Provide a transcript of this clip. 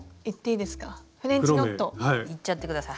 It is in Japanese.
いっちゃって下さい。